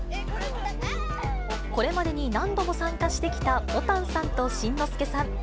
これまでに何度も参加してきたぼたんさんと新之助さん。